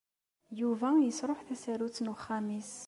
Yuba yesṛuḥ tasarut n wexxam-nnes.